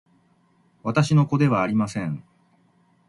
私の子ではありません